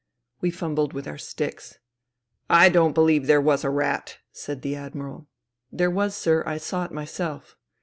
We fumbled with our sticks. " I don't believe there was a rat," said the Admiral. " There was, sir. I saw it myself."